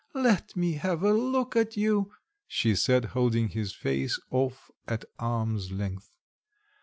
"Let me have a look at you," she said, holding his face off at arm's length.